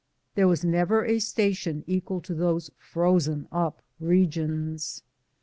There was never a station eqnal to those frozen up re gions.